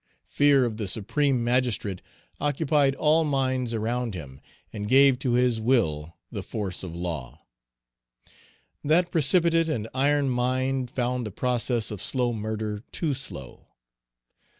Fear of the supreme magistrate occupied all minds around him, and gave to his will the force of law. That precipitate and iron mind found the process of slow murder too slow.